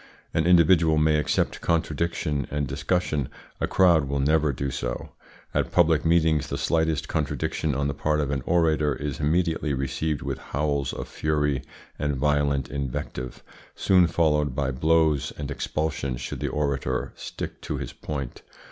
An individual may accept contradiction and discussion; a crowd will never do so. At public meetings the slightest contradiction on the part of an orator is immediately received with howls of fury and violent invective, soon followed by blows, and expulsion should the orator stick to his point.